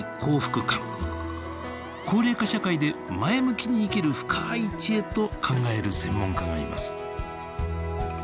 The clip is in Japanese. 高齢化社会で前向きに生きる深い知恵と考える専門家がいます。